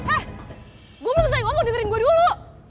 eh gue belum selesai ngomong dengerin gue dulu